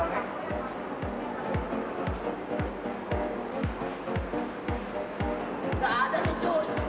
gak ada si sus